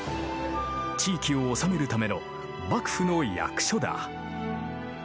地域を治めるための幕府の役所だ。